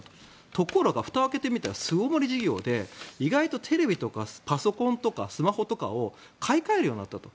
ところが、ふたを開けてみたら巣ごもり需要で意外とテレビとかパソコンとかスマホとかを買い替えるようになったと。